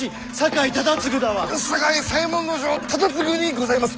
酒井左衛門尉忠次にございます。